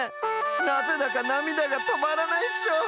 なぜだかなみだがとまらないっしょ！